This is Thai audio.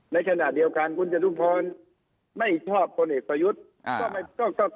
ในขณะเดียวกันคุณจตุพรไม่ชอบคนเอกประยุทธ์